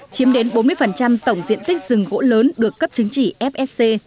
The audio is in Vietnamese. chiếm đến bốn mươi tổng diện tích rừng gỗ lớn được cấp chứng chỉ fsc